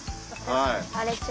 はい。